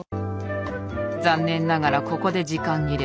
残念ながらここで時間切れ。